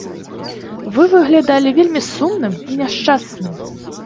Вы выглядалі вельмі сумным і няшчасным.